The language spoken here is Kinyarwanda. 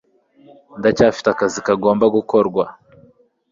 Ndacyafite akazi kagomba gukorwa.